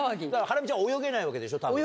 ハラミちゃん泳げないわけでしょ？